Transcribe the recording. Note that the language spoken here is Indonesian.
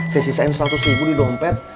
saya sisain seratus ribu di dompet